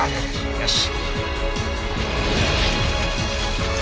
よし！